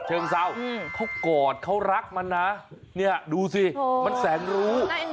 เชิงเศร้าเขากอดเขารักมันนะเนี่ยดูสิมันแสนรู้